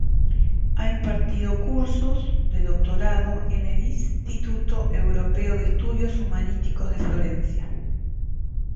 Ha impartido cursos de doctorado en el Istituto Europeo de Estudios Humanísticos de Florencia.